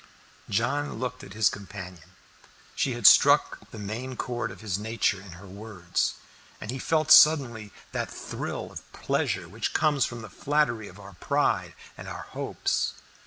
John looked at his companion. She had struck the main chord of his nature in her words, and he felt suddenly that thrill of pleasure which comes from the flattery of our pride and our hopes.